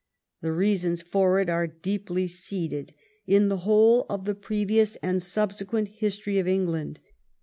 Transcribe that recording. The reasons for it are deeply seated in the Avhole of the previous and subsequent history of England.